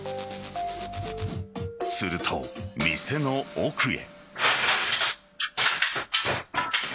すると、店の奥へ。